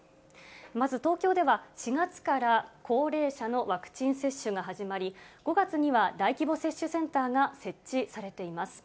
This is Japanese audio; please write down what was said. まず東京では、４月から高齢者のワクチン接種が始まり、５月には大規模接種センターが設置されています。